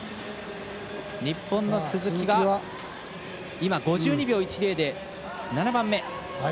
日本の鈴木は５２秒１０で７番目。